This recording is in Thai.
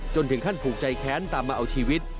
ถึงขั้นผูกใจแค้นตามมาเอาชีวิต